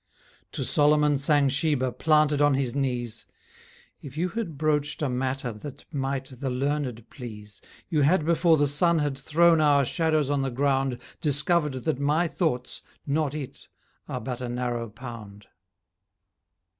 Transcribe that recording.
To Solomon sang Sheba, Planted on his knees, 'If you had broached a matter That might the learned please, You had before the sun had thrown Our shadows on the ground Discovered that my thoughts, not it, Are but a narrow pound.'